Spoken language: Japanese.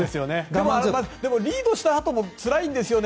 でもリードしたあともつらいですよね。